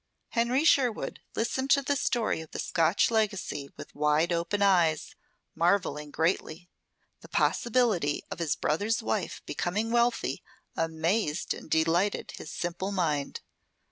Henry Sherwood listened to the story of the Scotch legacy with wide open eyes, marveling greatly. The possibility of his brother's wife becoming wealthy amazed and delighted his simple mind.